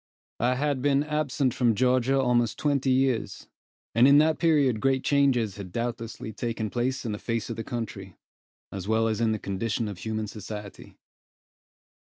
I had been absent from Georgia almost twenty years, and in that period great changes had doubtlessly taken place in the face of the country, as well as in the condition of human society.